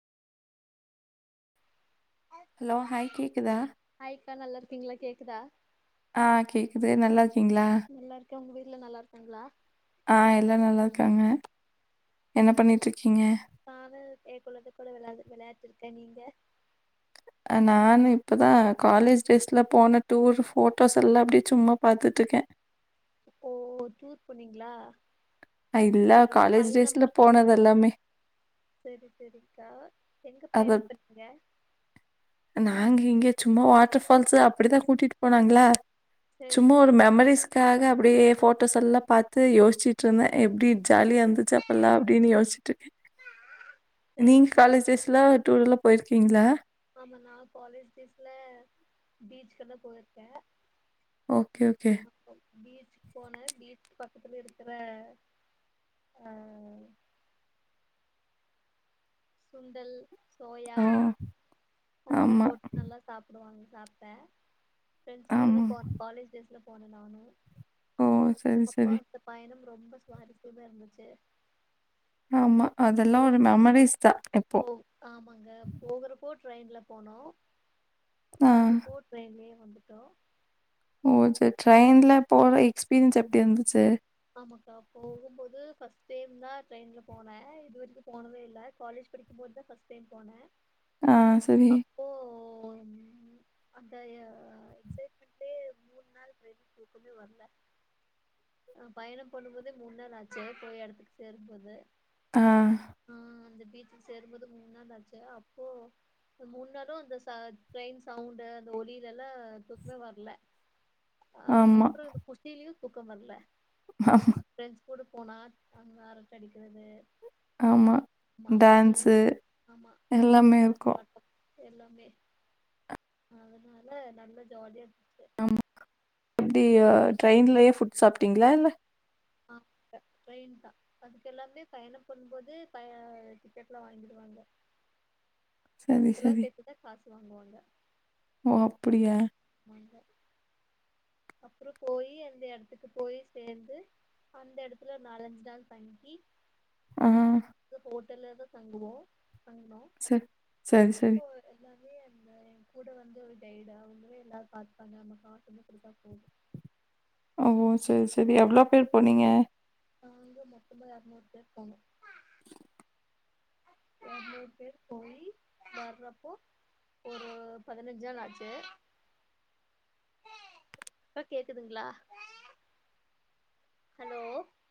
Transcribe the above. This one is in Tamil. ஹலோ ஹாய் கேக்குதா ஹாய்க்கா நல்லா இருக்கீங்களா கேக்குதா ஆ கேக்குது நல்லா இருக்கீங்களா? நல்லா இருக்கே உங்க வீட்டுல நல்லா இருக்காங்களா ஆ எல்லா நல்லா இருக்காங்க என்ன பண்ணிட்டு இருக்கீங்க ப அவள் ஏன் கொழந்தை கூட வெளாண்ட் வெளாடிட்ருக்கே நீங்க நானு இப்போதா காலேஜ் டேஸ்ல போன டூர் ஃபோட்டோஸ் எல்லா அப்டியே சும்மா பாத்துட்டு இருக்கே ஓ டூர் போனீங்களா நா இல்ல காலேஜ் டேஸ்ல போனது எல்லாமே சேரி சேரிக்கா எங்க அத பயணம் பண்ணிங்க நாங்க இங்க சும்மா வாட்டர்ஃபால்ஸு அப்டிதா கூட்டிட்டு போனாங்களா சரி சும்மா சரி ஒரு மெமரிஸ் ட்டாக அப்டியே ஃபோட்டோஸ் எல்லா பார்த்து யோசிச்சுட்டுயிருந்தே எப்டி ஜாலியா இருந்துச்சா இப்பல்லா அப்டின்னு யோசிச்சிட்டு இருக்கே அப்பா நீங்க காலேஜ் டேஸ்ல டூர் எல்லா போயிருக்கீங்களா ஆமா நா காலேஜ் டேஸ்ல பீச் கெல்லா போயிருக்கே ஓகே ஓகே பீச்சுக்கு போனேன் பீச்சுக்கு பக்கத்துல இருக்கிற ஆ சுண்டல் சோயா ஓ அதெல்லா ஆமா போட்டு நல்லா சாப் சாப்பிடுவாங்க சாப்ட்டே ஃப்ரெண்ட்ஸ் கூட ஆமா. தா காலேஜ் டேஸ்ல போனே நானு ஓ சரி, அப்போ சரி. அந்த பயணம் ரொம்ப சுவாரசியமா இருந்துச்சு ஆமா அதெல்லா அப்போ ஒரு மெமரிஸ் தா இப்போ ஓ ஆமாங்க போகுறப்போ டிரைன்ல போனோ ஆ. வர்ரப்போ ட்ரெயின்லேயே வந்துட்டோ ஓ சேரி ட்ரெயின்ல போற எக்ஸ்பீரியன்ஸ் எப்டி இருந்துச்சு ஆமாக்கா போகும்போது ஃபர்ஸ்ட் டைம் தா ட்ரெயின்ல போனே இதுவரைக்கு போனதே இல்லை காலேஜ் படிக்கு போதுதா ஃபர்ஸ்ட்டு டைம் போனே ஆ சரி ஓம் அந்த எக்சைட்மெண்டே மூணு நாள் ட்ரெயிலே தூக்கமே வரல ஆ பயணம் பண்ணும்போதே முணு நாள் ஆச்சு போய் இடத்துக்கு சேரு போது ஆ ஆ அந்த பீச்சல சேரும்போது மூனு நாலச்ச அப்போ முன்னாளு அந்த ட்ரெயின் சவுண்டு அந்த ஒலியில எல்லா தூக்குமே வரலே அ ஆமா. அப்புறோ அந்த குசிலயு தூக்கம் வரல ஆ பிரண்ட்ஸ் கூட போனா அங்க அரட்ட அடிக்கிறது ஆமா ஆமா அப்டியே டான்ஸு ஆமா எல்லாமே ஆட்டம் இருக்கு பாட்டம் எல்லாமே அதனால நல்ல ஜாலியா இருந் ஆமா எப்டி ட்ரெயின்லயே ஃபுட் சாப்ட்டீங்களா இல்ல அந் த ட்ரெயின் தா அதுக்கு எல்லாமே பயணம் பண்ணு போது ப டிக்கெட் எல்லா வாங்கிடுவாங்க சரி, பத்து ரூபா சரி. சேர்த்துதா காசு வாங்குவாங்க ஓ அப்டியா வங்க அப்றோ போயி் அந்த யடத்துக்கு போயி சேந்து அந்த யேடத்துல நாலஞ்சு நாள் தங்கி ஆ. ஹோட்டலதா தங்குவோ தங்குனோ சர் சேரி சரி இப்போ எல்லாமே கூட வந்து ஒரு கைட் அவங்க எல்லா பார்த்துப்பாங்க நம்ம காட்டு கொடுத்தா போதும் ஓ சேரி சேரி எவ்ளோ பேர் போனீங்க நா வந்து மொத்தமா எரநூறு பேர் போணோ ஒரு நூறு பேர் போயி வர்றப்போ ஒரு பதினஞ்சு நாள் ஆச்சு அக்கா கேக்குதூங்களா ஹலோ